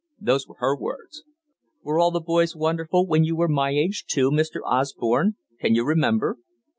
Those were her words. Were all the boys wonderful when you were my age too, Mr. Osborne, can you remember?